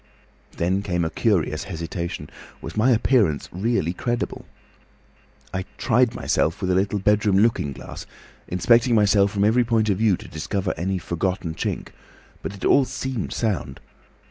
"Then came a curious hesitation. Was my appearance really credible? I tried myself with a little bedroom looking glass, inspecting myself from every point of view to discover any forgotten chink, but it all seemed sound.